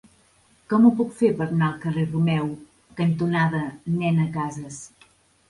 Com ho puc fer per anar al carrer Romeu cantonada Nena Casas?